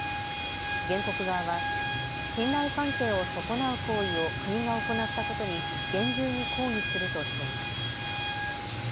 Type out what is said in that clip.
原告側は信頼関係を損なう行為を国が行ったことに厳重に抗議するとしています。